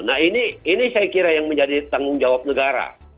nah ini saya kira yang menjadi tanggung jawab negara